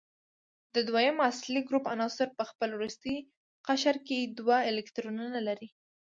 د دویم اصلي ګروپ عناصر په خپل وروستي قشر کې دوه الکترونونه لري.